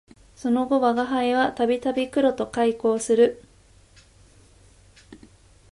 その後吾輩は度々黒と邂逅する